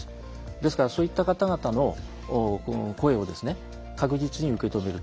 ですから、そういった方々の声を確実に受け止めると。